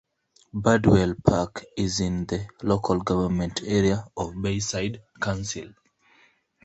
Bardwell Park is in the local government area of the Bayside Council.